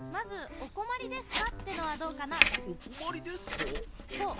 「おこまりですか？」。